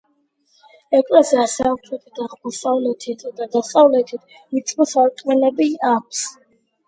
ეკლესიას სამხრეთით, აღმოსავლეთით და დასავლეთით ვიწრო სარკმელი აქვს.